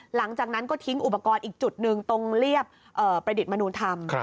หลังจากนั้นก็ทิ้งอุปกรณ์อีกจุดหนึ่งตรงเรียบประดิษฐ์มนุนธรรม